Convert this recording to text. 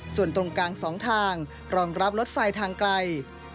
ส่วนตรงกลาง๒ทางรองรับรถไฟทางไกล